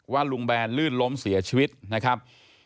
ลุงแบนลื่นล้มเสียชีวิตนะครับ